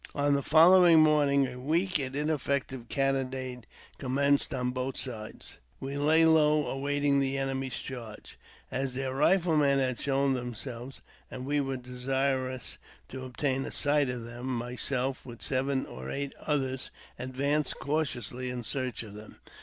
On the following morning a weak and ineffective cannonade commenced on both sides. We lay low, awaiting the enemy's charge. As their riflemen had not showed themselves, and we were desirous to obtain a sight of them, myself, with seven or eight others, advanced cautiously in search of them.